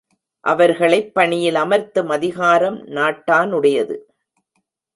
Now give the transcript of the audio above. அவர்களைப் பணியில் அமர்த்தும் அதிகாரம் நாட்டானுடையது.